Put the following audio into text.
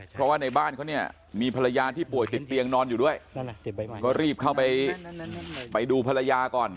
เพราะว่าในบ้านเขาเนี่ยมีภรรยาที่ป่วยติดเตียงนอนอยู่ด้วยก็รีบเข้าไปไปดูภรรยาก่อน